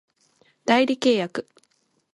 代理契約